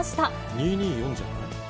２２４じゃない？